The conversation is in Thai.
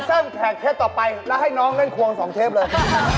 ซั่งแผนเครียดต่อไปแล้วให้น้องเล่นควง๒เทปเลย